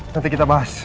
nanti kita bahas